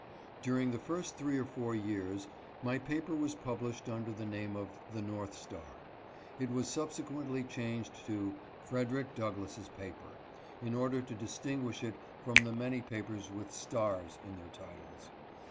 During the first three or four years my paper was pub lished under the name of the North Star. It was subse^ quently changed to Frederick Douglass's Paper, in order to distinguish it from the many papers with "Stars" in their titles.